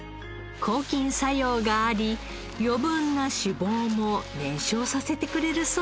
抗菌作用があり余分な脂肪も燃焼させてくれるそうです。